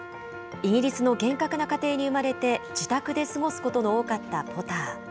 イギリスの厳格な家庭に生まれて、自宅で過ごすことの多かったポター。